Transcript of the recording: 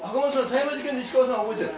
狭山事件の石川さんは覚えてる？